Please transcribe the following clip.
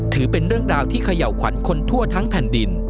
ถือเป็นเรื่องราวที่เขย่าขวัญคนทั่วทั้งแผ่นดิน